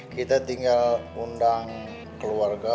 kita tinggal undang keluarga